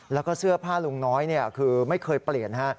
แล้วก็เสื้อผ้าลุงน้อยคือไม่เคยเปลี่ยน